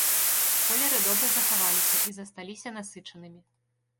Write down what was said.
Колеры добра захаваліся і засталіся насычанымі.